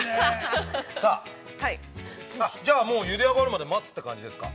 じゃあ、ゆで上がるまで待つという感じですか。